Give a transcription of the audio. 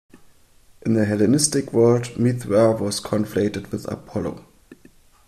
In the Hellenistic world, Mithra was conflated with Apollo.